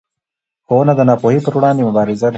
ښوونه د ناپوهۍ پر وړاندې مبارزه ده